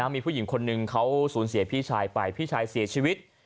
มีผู้หญิงคนนึงเขาสูญเสียพี่ชายไปพี่ชายเสียชีวิต